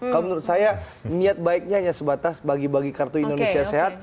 kalau menurut saya niat baiknya hanya sebatas bagi bagi kartu indonesia sehat